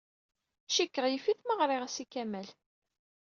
Cikkeɣ yif-it ma ɣriɣ-as i Kamal.